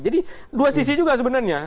jadi dua sisi juga sebenarnya